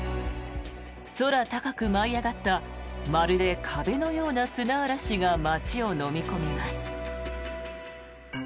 空高く舞い上がったまるで壁のような砂嵐が街をのみ込みます。